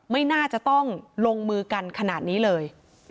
ไม่น่าจะต้องลงมือกันขนาดนี้เลย